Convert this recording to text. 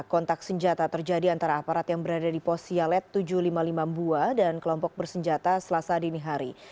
kontak senjata terjadi antara aparat yang berada di pos sialet tujuh ratus lima puluh lima mbuwa dan kelompok bersenjata selasa dinihari